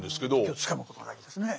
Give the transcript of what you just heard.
時をつかむことが大事ですね。